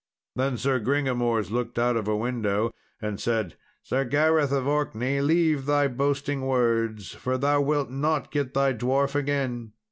Then Sir Gringamors looked out of a window and said, "Sir Gareth of Orkney, leave thy boasting words, for thou wilt not get thy dwarf again."